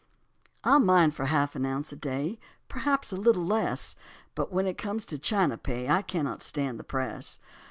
I'll mine for half an ounce a day, Perhaps a little less; But when it comes to China pay I cannot stand the press.